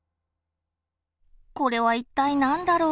これは一体何だろう？